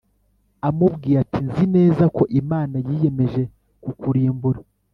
amubwiye ati nzi neza ko Imana yiyemeje kukurimbura